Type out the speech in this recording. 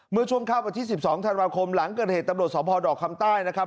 เมื่อช่วงข้าวกันที่สิบสองธนาคมหลังเกิดเหตุตำรวจสอบภอดอกคำใต้นะครับ